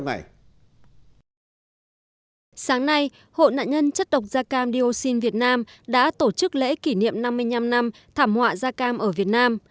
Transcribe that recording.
nạn nhân chất độc da cam dioxin việt nam đã tổ chức lễ kỷ niệm năm mươi năm năm thảm họa da cam ở việt nam